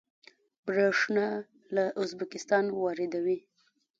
بریښنا له ازبکستان واردوي